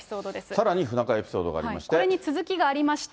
さらに不仲エピソードがありまして。